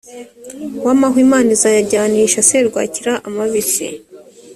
w amahwa imana izayajyanisha serwakira amabisi